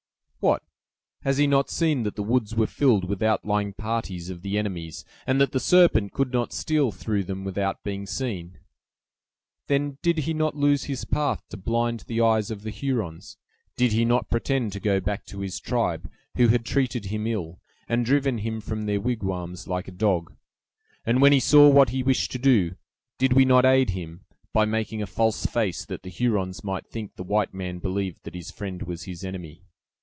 "What! has he not seen that the woods were filled with outlying parties of the enemies, and that the serpent could not steal through them without being seen? Then, did he not lose his path to blind the eyes of the Hurons? Did he not pretend to go back to his tribe, who had treated him ill, and driven him from their wigwams like a dog? And, when we saw what he wished to do, did we not aid him, by making a false face, that the Hurons might think the white man believed that his friend was his enemy?